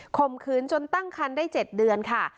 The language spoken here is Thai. ข่มขืนจนตั้งคันได้๗เดือนค่ะ